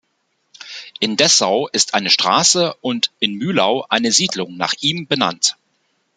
In Dessau ist eine Straße und in Mylau eine Siedlung nach ihm benannt.